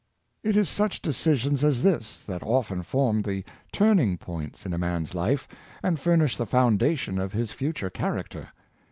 It is such decisions as this that often form the turning points in a man's life, and furnish the foundation of his future character.